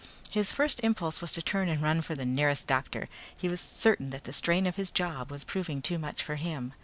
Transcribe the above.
His first impulse was to turn and run for the nearest doctor. He was certain that the strain of his job was proving too much for him.